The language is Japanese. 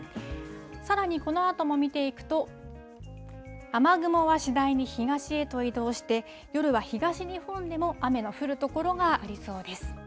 さらにこのあとも見ていくと、雨雲は次第に東へと移動して、夜は東日本でも雨の降る所がありそうです。